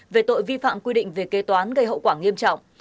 về tội vi phạm quy định về kế toán gây hậu quả nghiêm trọng